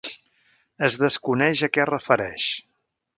Es desconeix a què es refereix.